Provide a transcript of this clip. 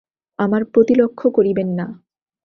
আমার প্রতি লক্ষ করিবেন না।